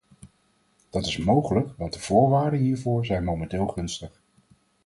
Dat is mogelijk want de voorwaarden hiervoor zijn momenteel gunstig.